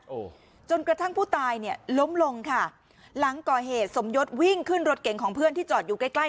โอ้โหจนกระทั่งผู้ตายเนี่ยล้มลงค่ะหลังก่อเหตุสมยศวิ่งขึ้นรถเก่งของเพื่อนที่จอดอยู่ใกล้ใกล้